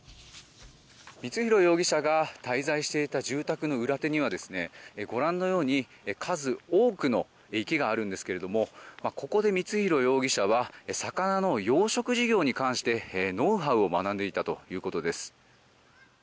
光弘容疑者が滞在していた住宅の裏手にはご覧のように数多くの池があるんですけれどもここで光弘容疑者は魚の養殖事業に関してノウハウを学んでいたということです。